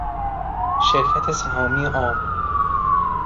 شرکت سهامی عام